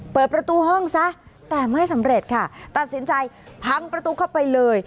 เปิดประตูห้องซะแต่ไม่สำเร็จค่ะตัดสินใจพังประตูเข้าไปเลย